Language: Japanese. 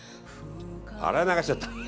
洗い流しちゃった。